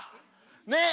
ねえ。